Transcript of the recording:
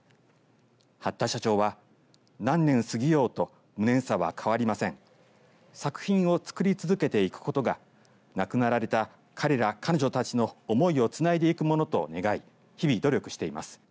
八田社長は何年過ぎようと無念さは変わりません作品を作り続けていことが亡くなられた彼ら彼女たちの思いをつないでいくものと願い日々努力しています